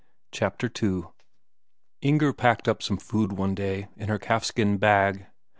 Chapter II Inger packed up some food one day in her calfskin bag.